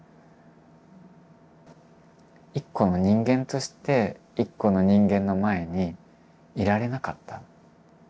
一個の人間として一個の人間の前にいられなかった。